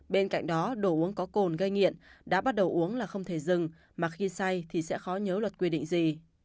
bên cạnh đó đồ uống có cồn gây nghiện đã bắt đầu uống là không thể dừng mà khi say thì sẽ khó nhớ luật quy định gì